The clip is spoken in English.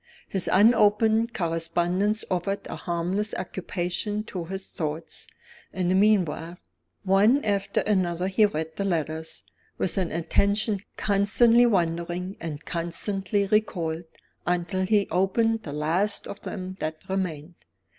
His unopened correspondence offered a harmless occupation to his thoughts, in the meanwhile. One after another he read the letters, with an attention constantly wandering and constantly recalled, until he opened the last of them that remained.